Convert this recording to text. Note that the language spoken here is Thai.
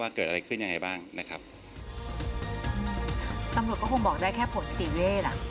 เกิดอะไรขึ้นยังไงบ้างนะครับตำรวจก็คงบอกได้แค่ผลสีเวทอ่ะ